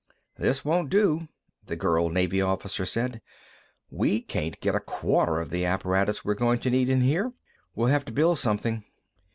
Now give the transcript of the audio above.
"This won't do," the girl Navy officer said. "We can't get a quarter of the apparatus we're going to need in here. We'll have to build something."